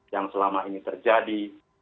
yang selama ini terjadi